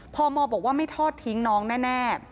พมบอกว่าไม่ทอดทิ้งน้องแน่